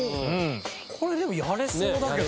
これでもやれそうだけど。